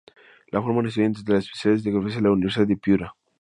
Lo forman estudiantes de las especialidades que ofrece la Universidad de Piura.